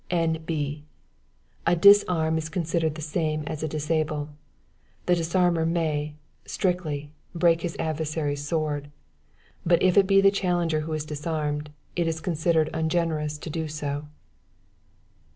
"N.B. A disarm is considered the same as a disable; the disarmer may (strictly) break his adversary's sword; but if it be the challenger who is disarmed, it is considered ungenerous to do so.